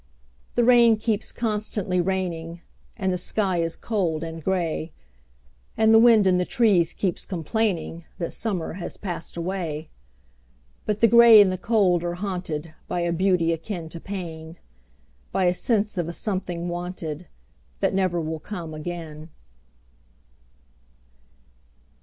The rain keeps constantly raining, And the sky is cold and gray, And the wind in the trees keeps complainingThat summer has passed away;—But the gray and the cold are hauntedBy a beauty akin to pain,—By a sense of a something wanted, That never will come again.